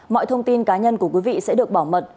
mọi thông tin cá nhân của quý vị sẽ được bảo mật